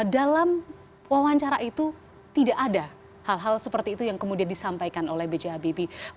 dalam wawancara itu tidak ada hal hal seperti itu yang kemudian disampaikan oleh b j habibie